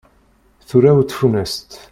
Turew tfunast.